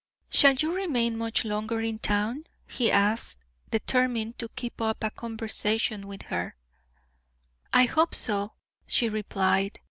"Shall you remain much longer in town?" he asked, determined to keep up a conversation with her. "I hope so," she replied.